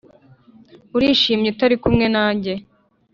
urishimye utari kumwe nanjye